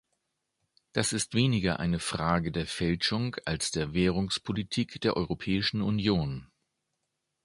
Das ist weniger eine Frage der Fälschung als der Währungspolitik der Europäischen Union.